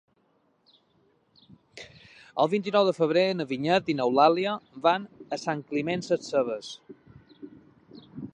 El vint-i-nou de febrer na Vinyet i n'Eulàlia van a Sant Climent Sescebes.